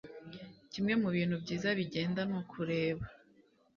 Kimwe mu bintu byiza bigenda ni ukureba